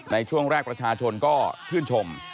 ในช่วงแรกประชาชนก็ชื่นชม